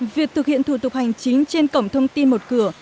việc thực hiện thủ tục hành chính trên cổng thông tin một cửa